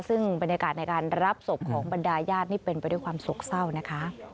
ซึ่งบรรยากาศในการรับศพของบรรดาญาตินี่เป็นไปด้วยความโศกเศร้านะคะ